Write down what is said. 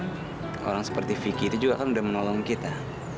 orang seperti vicky itu juga kan sudah menolong kita